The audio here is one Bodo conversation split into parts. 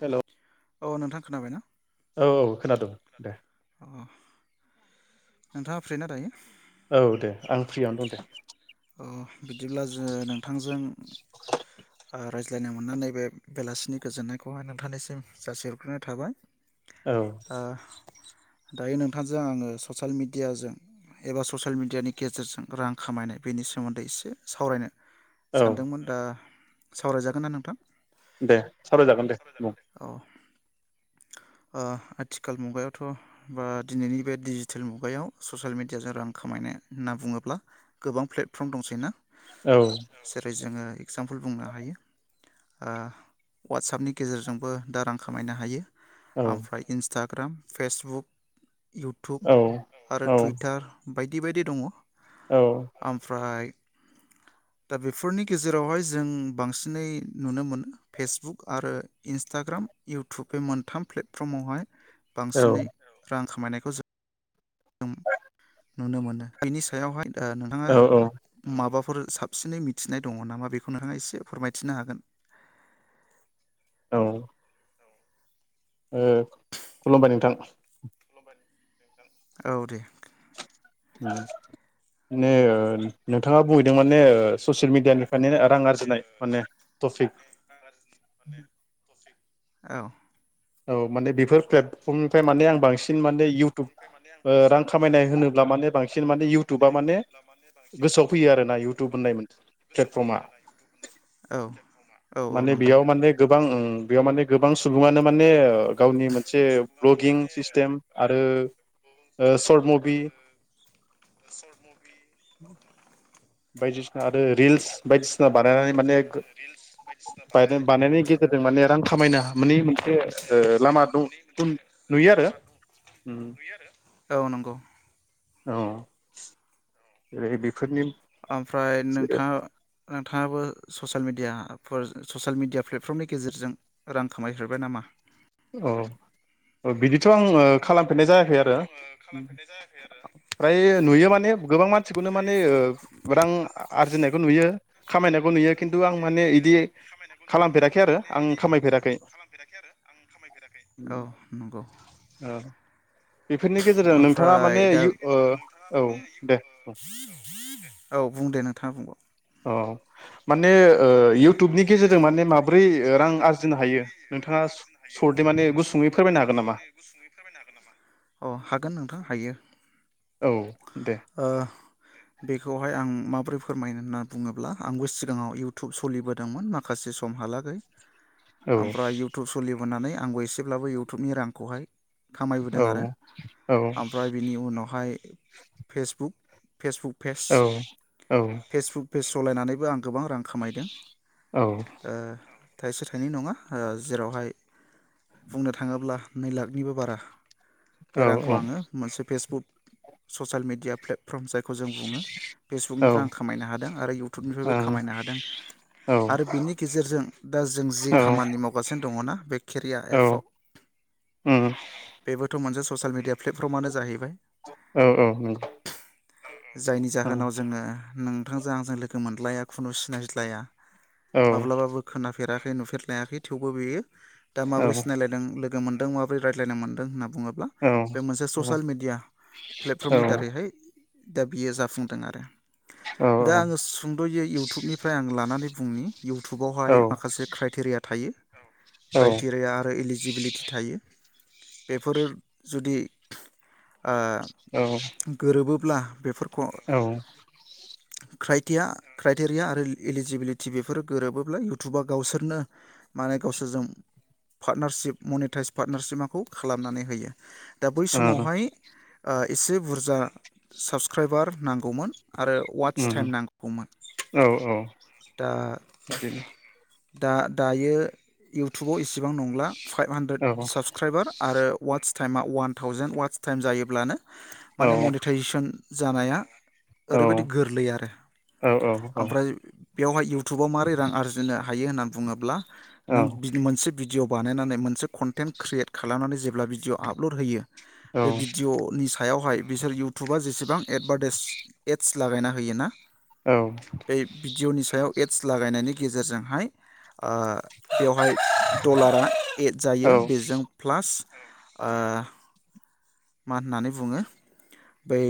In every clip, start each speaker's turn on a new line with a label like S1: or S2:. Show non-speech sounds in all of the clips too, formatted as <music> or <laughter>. S1: हेलौ
S2: औ नोंथां खोनाबाय ना?
S1: औ औ खोनादों दे।
S2: अ नोंथाङा फ्रिना दायो।
S1: औ दे आं फ्रियावनो दं
S2: <inaudible> अ बिदिब्ला जोङो नोंथांजों ओ रायज्लायनो मोननानै बे बेलासिनि गोजोननायखौहाय नोंथांनिसिम जासिहरग्रोनाय थाबाय।
S1: औ
S2: ओ दायो नोंथांजों आङो ससेल मिडियाजों एबा ससेल मिडियानि गेजेरजों रां खामायनाय बेनि सोमोन्दै एसे सावरायनो
S1: औ
S2: सानदोंमोन दा सावरायजागोन ना नोंथां?
S1: दे सावरायजागोन दे बुं।
S2: औ ओ आथिखाल मुगायाव थ' बा दिनैनि बे डिजिटेल मुगायाव ससियेल मिडियाजों रां खामायनाय होनना बुङोब्ला गोबां प्लेटफरम दंसै ना? औ जेरै जोङो एगजामपोल बुंनो हायो ओ वाटसापनि गेजेरजोंबो दा रां खामायनो हायो।
S1: औ
S2: आमफ्राय इन्स टाग्राम फेसबुक इउटुब
S1: औ
S2: आरो
S1: औ
S2: टुइटार बायदि बायदि दङ'। आमफ्राय दा बेफोरनि गेजेरावहाय जों बांसिनै
S1: औ
S2: रां खामायनायखौ जो जों नुनो मोनो बिनि सायावहाय दा नोंथाङा
S1: औ
S2: माबाफोर फोर साबसिनै मिथिनाय दङ' नामा बेखौ नोंथाङा एसे फोरमायथिनो हागोन
S1: औ ओम खुलुमबाय नोंथां
S2: औ दे
S1: <inaudible> सेल मिडियानिफ्राय रां आरजिनाय माने टपिक
S2: औ
S1: औ माने बेफोर प्लेटफ्रमनिफ्राय माने आं बांसिन माने इउटुब ओ रां खामायनाय होनोब्ला माने बांसिन इउटुबा माने गोसोयाव फैयो आरोना इउटुब होननाय मोन प्लेटफ्रमा
S2: औ औ औ
S1: माने
S2: नंगौ
S1: बेयाव माने गोबां ओ बेयाव माने गोबां सुबुंआनो माने गावनि मोनसे भ्लगिं सिस्टेम आरो सर्ट मुभि बायदिसिना आरो रिल्स बायदिसिना बानायनानै माने बानायनायनि गेजेरजों माने रां खामायना माने मोनसे लामा दं उन
S2: <unintelligible> औ नंगौ
S1: औ <unintelligible>
S2: ओमफ्राय नोंथाङा नोंथाङाबो social media for social media प्लेटफर्मनि गेजेरजों रां खामायहरबाय नामा
S1: औ बिदिथ' आं खालामफेरनाय जायाखै आरो फ्राय नुयो माने गोबां मानसिखौनो माने रां आरजिनायखौ नुयो खामायनायखौ नुयो खिन्थु आं माने इदि खालामफेराखै आरो आं खामायफेराखै
S2: औ नंगौ
S1: औ बेफोरनि गेजेरजों नोंथाङा
S2: ओमफ्राय
S1: माने
S2: दा
S1: ओ औ दे
S2: <unintelligible> औ बुंदों नोंथाङा बुंबाव
S1: औ माने इउटुबनि
S2: माने
S1: गेजेरजों माब्रै
S2: इउटुबनि
S1: रां
S2: गेजेरजों माने
S1: आरजिनो हायो
S2: माब्रै रां
S1: नोंथाङा
S2: आरजिनो हायो
S1: सर्टै माने
S2: नोंथाङा
S1: गुसुङै फोरमायनो हागोन
S2: सर्ट
S1: नामा
S2: माने गुसुङै फोरमायनो हागोन नामा अ हागोन नोंथाङ हायो
S1: औ दे
S2: ओ बेखौहाय आं माबोरै फोरमायनो होनना बुङोब्ला आंबो सिगाङाव इउटुब सलिबोदों दोंमोन माखासे समहालागै
S1: औ
S2: ओमफ्राय इउटुब सोलि मोननानै आंबो एसेब्लाबो इउटुबनि रांखौहाय खामायबोदों
S1: औ
S2: आरो
S1: औ
S2: ओमफ्राय बिनि उनावहाय फेसबुक फेसबुक पेज
S1: औ औ
S2: फेसबुक पेज सलायनानैबो आं गोबां रां खामायदों।
S1: औ
S2: ओ थाइसे थाइनै नङा जेरावहाय बुंनो थाङोब्ला नै लाखनिबो बारा बे
S1: औ
S2: रांखौ आङो मोनसे Facebook social media platform जायखौ जों बुङो
S1: औ
S2: फेसबुकनिफ्राय आं खामायनो हादों आरो इउटुबनिफ्रायबो
S1: औ
S2: खामायनो हादों। आरो बिनि गेजेरजों दा जों जि खामानि मावगासिनो दं। दङना बे केरिया
S1: औ
S2: एपआव
S1: उम
S2: बेबोथ' मोनसे ससियेल मिडिया्लेटफर्मानो जाहैबाय।
S1: औ औ नंगौ
S2: जायनि
S1: औ
S2: जाहोनाव जोङो थां जां लोगो मोनलाया खुनु सिनाय जाया।
S1: औ
S2: माब्लाबाबो खोनाफेराखै रे नुफेर लायाखै थेवबो बेयो दा
S1: औ
S2: माबोरै
S1: औ
S2: सिनायलायदों। मोनदों माबोरै रायज्लायनो मोनदों होन बुङोब्ला बे मोनसे ससियेल म मिडिया प्लेटफर्मनि दारैहाय दा बियो जाफुंदों आरो दा आङो सुंद'यो इउटुबनिफ्राय आं लानानै बुनि इउटुबावहाय माखासे क्राइटेरिया थायो।
S1: औ
S2: क्राइटेरिया आरो इलिजिबिलिटि थायो। बेफोरो जुदि ओ
S1: औ
S2: गोरोबो ब्ला बेफोर
S1: औ
S2: क्राइटिया क्राइटेरिया आरो इलिजिबिलिट टिभिफोर गोरोबोब्ला इउटुबा गावसोरनो माने गावसोरजों पार्टनारशिप मनिटाइस पार्टनारशिपाखौ खालामनानै होयो । दा बै
S1: ओ
S2: समावहाय ओ एसे बुरजा साबसक्राइबार नांगौमोन आरो ववाट्च
S1: उम
S2: टाइम नांगौमोन
S1: औ
S2: ।
S1: <unintelligible>
S2: दा-दायो इउटुबाव इसेबां नंला । फाइभ हान्ड्रेद
S1: औ
S2: साब्क्राइबार आरो ववाट्स टाइमा अवान थावजेेन अवाट्स टाइम जायोब्लानो
S1: औ
S2: माने मनेटाइजेसन जानाया
S1: औ
S2: ओरैबायदि गोरलै आरो
S1: औ औ
S2: ओमफ्राय बेवहाय इउ टुबाव मारै रां आरजिनो हायो होनना बुङोब्ला नों बिद मोनसे बिद भिडिअ बानायनानै मोनसे कनटेन्ट क्रियेट खालामनानै जे ब्ला भिडिअ आपल'ड होयो बे भिडिअनि सा सायावहाय बिसोर इउटुबा जेसेबां एडभार्टाइस एड्स लागायना होयोना
S1: औ।
S2: बे भिडिअ'नि सायाव एद्स लागायनायनि गेजेरजोंहाय ओ बेवहाय डलारा एड जायो बेजों प्लास ओ मा होननानै बुङो बै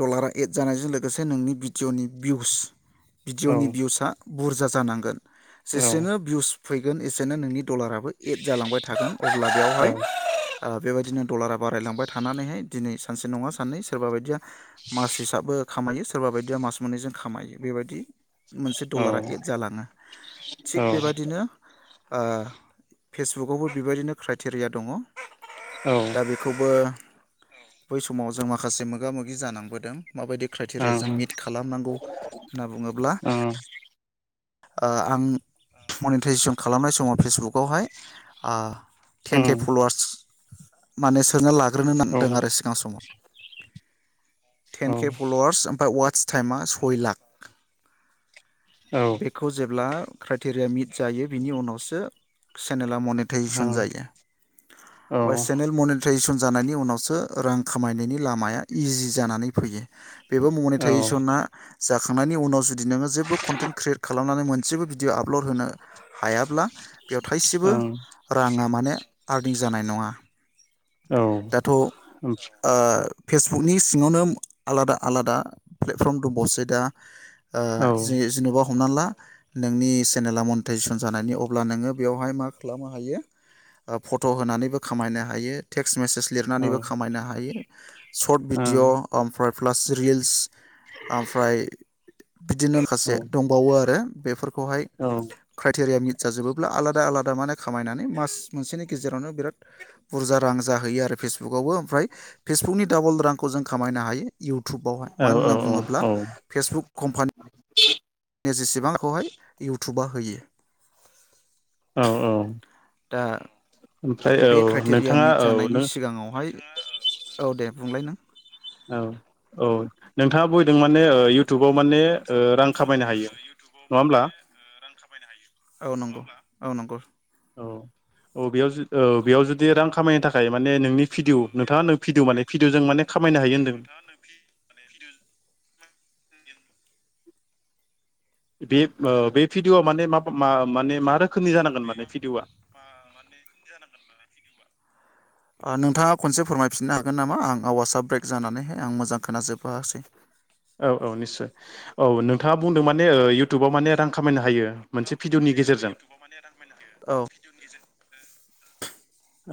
S2: डलारा एड जानायजों लोगोसे नोंनि भिडिअ'नि बिउस भिडिअनि बिउसआ बुरजा जानां जेसेनो बिउस फैगोन एसेनो नोंनि डलाराबो एड जालांबाय थागोन। अब्ला बेयावहाय ओ बेबायदिनो डलारा बारायलांबाय थानानैहाय दिनै सानसे नङा साननै सोरबा बायदिया मास हिसाबो। खामायो सोरबा बायदिया मास मोननैजों खामायो बेबायदि मोनसे डलारा एद जालाङो थिग बेबादिनो ओ फेसबुकआवबो बेबायदिनो क्राइटेरिया दङ। दा
S1: औ
S2: बेखौबो बै समाव जों माखासे मोगा <unintelligible> जानांबोदों। माबायदि क्राइटेरियाजों मिट
S1: औ
S2: खालामनांगौ होनना बुङोब्ला
S1: औ ओं
S2: ओ आं मनिटाइजेसन खालामनाय समाव फेसबुक <unintelligible>
S1: ओं उम
S2: टेन केे फलवार्स माने सोना <unintelligible> <unintelligible>
S1: औ
S2: नांदों आरो सिगां समाव।
S1: औ
S2: टेन केे
S1: ओं
S2: फल'वार्स ओमफ्राय वाट्स टाइमा सय लाख।
S1: औ
S2: बेखौ जेब्ला क्राइटेरिया मिट जायो बिनि उनावसो चेनेल <unintelligible> मनिटायजिचन जायो सेनेल मनिटायजिचन जानायनि उनावसो रां खामायनायनि लामाया इजि जानानै फैयो। बेबो
S1: ओं
S2: मनिटाइजेसना जाखांनायनि उनाव जुदि नों जेबो कन्टेन्ट क्रियेट खालामनानै मोनसेबो भिडिय' आपल'ड होनो हायाब्ला बेयाव थाइसेबो
S1: औ
S2: राङा माने आर्निं जानाय नङा।
S1: औ ओं औ
S2: दाथ' ओ फेसबुकनि सिङावनो आलादा आलादा प्लेटफर्म दंबावसै दा। ओ जे- जेने'बा हमना ला नोंनि चेनेला मनिटाइजेसन जानायनि अब्ला नोङो बेवहाय मा खालामनो हायो फट' होनानैबो खामायनो हायो टेक्स टेक्स मेसेज लिरनानैबो खामायनो हायो। शर्ट भिडिअ ओमफ्राय प्लास रिल्स ओमफ्राय बिदिनोखासे आरो बेफोर खौहाय क्राइटेरिया मि जाजोबोब्ला आलादा आलादा माने खामायनानै मास मोनसेनि गेजेरावनो बिराद बुरजा रां जाहैयो आरो फेसबुकआवबो ओमफ्राय फेसबुकनि डाबल रांखौ जों खामायनो हायो इउटुबावहाय मानो होनना बुङोब्ला
S1: औ
S2: फेसबुक कम्पानि <unintelligible> जेसेबांखौहाय इउटुबा होयो।
S1: औ औ
S2: दा
S1: ओमफ्राय औ
S2: बे क्राइटेरिया
S1: नोंथाङा
S2: मिट
S1: औ
S2: जानायनि
S1: नों
S2: सिगाङावहाय औ दे बुंलाय नों
S1: औ औ नोंथाङा बयदों माने ओ इउटुबाव माने ओ
S2: नोंथाङा
S1: रां
S2: बैदों
S1: खामायनो
S2: माने
S1: हायो
S2: इउथुबाव
S1: नङा
S2: माने
S1: होमब्ला
S2: रां खामायनो हायो औ नंगौ औ नंगौ
S1: औ औ बेयावजु औ बेयावजुदि रां खामायनो थाखाय माने नोंनि भिडिअ नोंथाङा नों भिडिअ माने भिडिअजों माने खामायनो हायो होनदों। बे ओ बे भिडिअआ माने मा पो माने मा रो खोमनि जानांगोन माने भिडिअवा?
S2: ओह नोंथाङा खनसे फोरमायफिननो हागोननामा आं आवासआ ब्रेक जानानैहाय आं मोजां खोनाजोबबासै।
S1: औ औ निस्सय औ नोंथाङा बुंदों माने इउटुबाव माने रांखामायनो हायो।
S2: नोंथाङा
S1: मोनसे भिडिअ'नि
S2: बुंनोमाने ओह
S1: गेजेरजों
S2: इउटुबाव माने रांखामायनो हायो औ भिअनि गेजेरजों।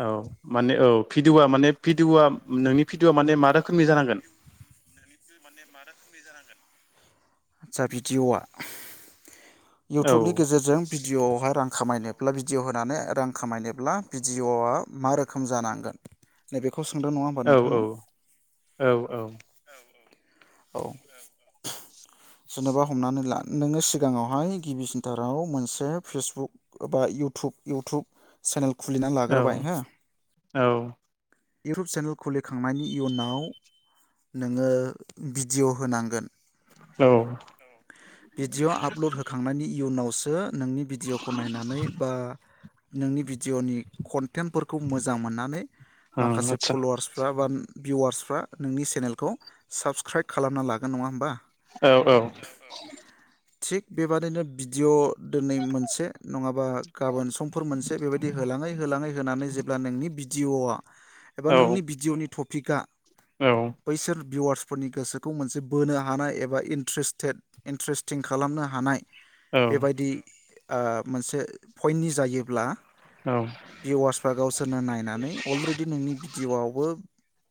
S1: औ माने औ भिडिअआ माने भिडिअआ नोंनि भिडिअआ माने मारोखोमनि जानांगोन।
S2: <unintelligible> माने मारोखोमनि जानांगोन। आचचा भिडिअवा।
S1: औ
S2: इउटुबनि गेजेरजों भिडिअ आवहा रां खामायनोब्ला भिडिअ होनानै रां खामायनोब्ला भिडिअआ मारोखोम जानांगोन नैबे
S1: औ औ औ औ।
S2: औ जेनेबा हमनानैला नोङो सिगाङाव हायो गिबिसिनथाराव मोनसे फेसबुक ओबा इउथुब इउटुब चेनेल। खुलिना लाग्रोबाय
S1: औ
S2: हो।
S1: औ
S2: इउटुब चेनेल खुलिखांनायनि इयुनाव नोङो बिडिय होनांगोन।
S1: औ ओं
S2: औ बिडिअ आपलद हो नि इयुनावसो नोंनि बिडियखौ नायनानै बा नोंनि बिडिअनि कनटेन्टफोरखौ मोजां मोननानै माखासे
S1: आदसा
S2: फलवार्सफ्रा बा भिवार्स फ्रा नोंनि चेनेलखौ साबसक्राइब खालामना लागोन नङाहोमबा।
S1: औ औ
S2: थिग बेबादिनो भिडिअ दोनै मोनसे नङाबा गाबोन समफोर मोनसे बेबायदि होलाङै होलाङै होनानै जेब्ला नोंनि बि जिअ आ एबा
S1: औ
S2: नोंनि बिडिअनि थब फिका
S1: औ
S2: भिवार्सफोरनि गोसोखौ मोनसे बोनो हानाय एबा इन्थ्रारेसतेथ इन्थ्रारेस्टिं खालामनो हानाय बेबायदि ओह मोनसे फयनि जायोब्ला
S1: औ
S2: भिवार्सफ्रा गावसोरनो नायनानै अलरेडि नोंनि भिडिअ आवबो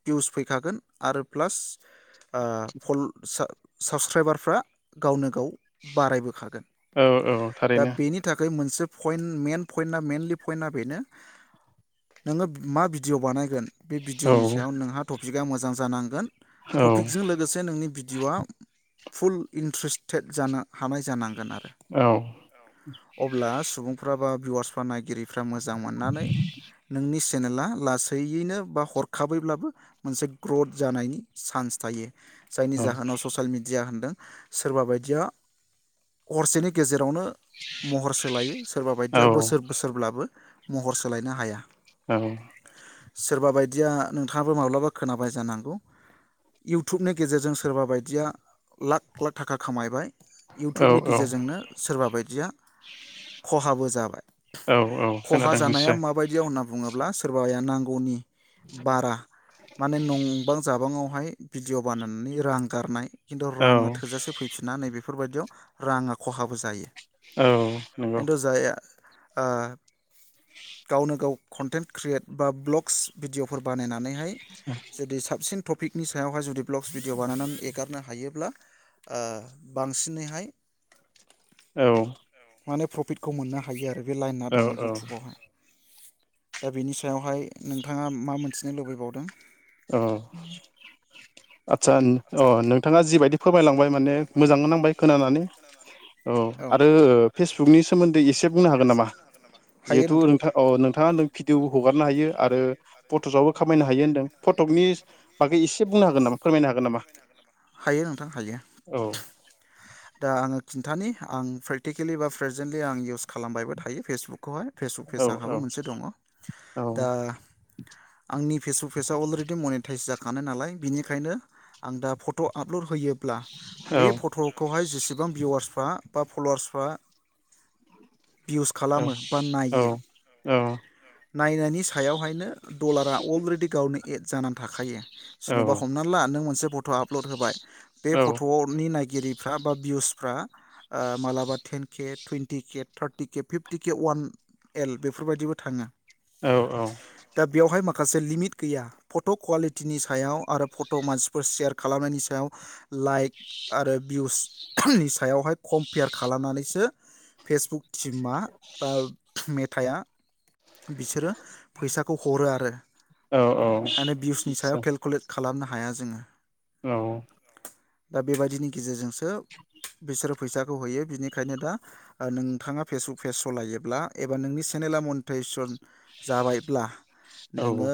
S2: भिउस फैखागोन आरो प्लास ओ फल सो साबसक्राइबारफ्रा गावनो गाव बारायबोखागोन।
S1: औ औ थारैनो
S2: से बे पइन्ट मेन पइन्ट मेनलि पइन्टआ बेनो नोङो मा भिडिअ' बानायगोन बे
S1: औ
S2: भिडिय'नि सायाव नोंहा टपिक आ मोजां जानांगोन।
S1: औ
S2: टपिकजों लोगोसे नोंनि भि डिअवा फुल इन्ट्रेस्टेड जाना‌ हानाय जानां गोन आरो
S1: औ
S2: औ अब्ला सुबुंफ्राबा भिवार्सफा नायगिरि फ्रा मोजां मोननानै नोंनि चेनेला लासैयैनो बा हरखाबैब्लाबो मोनसे ग्रथ जानायनि चान्स थायो। जायनि जाहोनाव ससायेल मिडिया होनदों सोरबा बायदिया हरसेनि गेजेर रावनो महर सोलायो सोरबा बायदिया बोसोर बोसोरब्लाबो महर सोलायनो हाया। सोरबा बाय दिया नोंथाङाबो माब्लाबा खोनाबाय जानांगौ इउटुबनि गेजेरजों सोरबा बायदिया लाख लाख थाखा खामायबाय।
S1: औ
S2: इउटुबनि गेजेरजोंनो सोरबा बाय दिया खहाबो जाबाय।
S1: औ
S2: खहा
S1: खोनादों
S2: जानाया
S1: निस्सय
S2: माबायदियाव होनना बुङोब्ला सोरबाया नां गौनि बारा माने नंबां जाबांङावहाय। भिडिअ' बानायनानै रां गारनाय। खिन्थु
S1: औ
S2: रांङा थोजासे फैफिना नैबे। बेफोरबायदियाव राङा खहाबो जायो।
S1: औ नोंगौ।
S2: खिन्थु जाया ओ गावनो गाव कन्टेन्ट क्रियेट बा ब्लग्स भिडिअफोर बानायनानै। नै जुदि साबसिन। टपिकनि सायावहाय जुदि ब्लगस भिडिअ बानायनानै एगारनो हायोब्ला ओ बांसिनैहाय
S1: औ।
S2: माने प्रफिटखौ मोननो हायो आरो। बे लाइना दङ
S1: औ
S2: इउटुबावहाय। दा बेनि सायावहाय नोंथाङा मा मोनथिनो लुबैबावदों।
S1: औ। आदसा अ नोंथाङा जिबायदि फोरमायलांबाय माने, मोजां नांबाय खोनानानै। औ आरो फेसबुकनि सोमोन्दै एसे बुंनो हागोन नामा? जिहेथु नोंथां अ नोंथाङा नों भिडिअ हगारनो हायो, आरो- फट'सआवबो खामायनो हायो होन्दों। फटकनि बागै इसो
S2: हायो नोंथां हायो।
S1: औ
S2: दा आङो खिन्थानि आं प्रेकटिकेलि बा प्रेजेन्टलि आं इउस खालामबायबो थायो फेसबुक। खौहाय फेसबुक
S1: औ
S2: पेज आंहाबो मोनसे दङ
S1: औ
S2: दा आंनि फेसबुक पेज आ अलरेडि मनिटाइस जाख खानो नालाय बिनिखायनो आं दा फट' आपल'ड होयो। ब्ला
S1: औ
S2: बे फट'। खौहाय जेसेबां भिवार्सफ्रा बा फलवार्सफ्रा। भिउस खालामो बा नायो
S1: औ-औ-औ।
S2: नायनायनि सायावहायनो डलारा अलरेडि गावनो एड जानानै थाखायो।
S1: औ
S2: सोरन'बा हमनानै ला नों मोनसे फट' आपल'ड होबाय। बे
S1: औ
S2: फट'नि नाय गगिरिब। फ्रा बा भिउसफ्रा मालाबा ten K twenty K thirty K fifty K अवान एल बेफोरबायदिबो थाङो।
S1: औ-औ।
S2: दा बेवहाय माखासे लिमिट गैया फट' कुवालिटिनि सायाव आरो, फट' मानसिफोर सेयार खालामनायनि सायाव लाइक आरो भिउसनि ओहोम सायावहाय। कम्पेयार खालामनानैसो फेसबुक सिमा बा मेद थाया बिसोरो फैसाखौ हरो आरो।
S1: औ औ
S2: माने भिउसनि सायाव
S1: आदसा।
S2: केलकुलेट खालामनो हाया जोङो।
S1: औ।
S2: दा बेबादिनि गेजेजोंस सो बिसोरो फैसाखौ होयो बिनिखायनो दा ओ नोंथाङा फेसबुक पेज सलायोब्ला एबा नोंनि चेनेला मनिटायसन जाबायब्ला
S1: औ
S2: नोङो